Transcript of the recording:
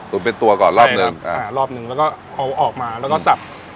เป็นตัวก่อนรอบหนึ่งอ่ารอบหนึ่งแล้วก็เอาออกมาแล้วก็สับ